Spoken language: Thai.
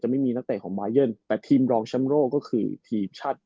ไม่มีนักเตะของบายันแต่ทีมรองแชมป์โลกก็คือทีมชาติ